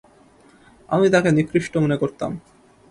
আমি তাকে নিকৃষ্ট মনে করতাম।